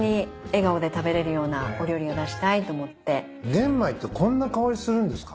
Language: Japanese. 玄米ってこんな香りするんですか？